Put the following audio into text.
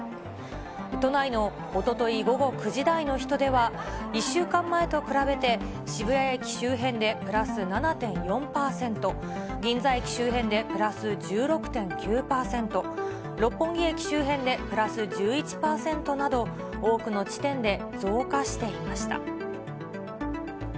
都内のおととい午後９時台の人出は１週間前と比べて渋谷駅周辺でプラス７．４％、銀座駅周辺でプラス１６．９％、六本木駅周辺でプラス１１％など、多くの地点で増加していました。